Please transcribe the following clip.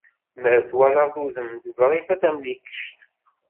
Mer twalaḍ udem n Ḍrifa Tamlikect.